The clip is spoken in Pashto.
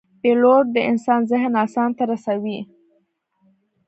پیلوټ د انسان ذهن آسمان ته رسوي.